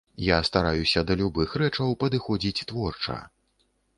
Я стараюся да любых рэчаў падыходзіць творча.